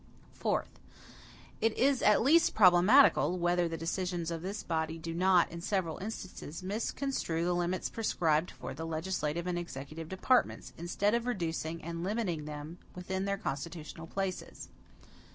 Fourth. It is at least problematical, whether the decisions of this body do not, in several instances, misconstrue the limits prescribed for the legislative and executive departments, instead of reducing and limiting them within their constitutional places.